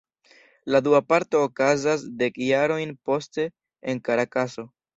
La dua parto okazas dek jarojn poste, en Karakaso.